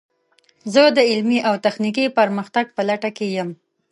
زه د علمي او تخنیکي پرمختګ په لټه کې یم.